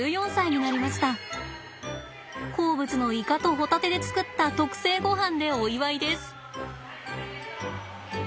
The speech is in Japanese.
好物のイカとホタテで作った特製ごはんでお祝いです。